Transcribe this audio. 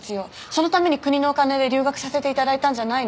そのために国のお金で留学させて頂いたんじゃないの？